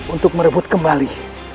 untuk merebut kembali